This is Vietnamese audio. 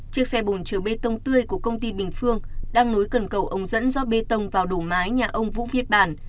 chiếc xe bồn trở bê tông tươi của công ty bình phương đang nối cần cẩu ống dẫn do bê tông vào đổ mái nhà ông vũ việt bản